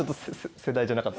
世代じゃなかった。